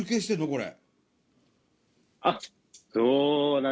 これ。